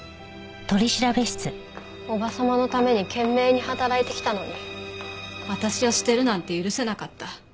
叔母様のために懸命に働いてきたのに私を捨てるなんて許せなかった。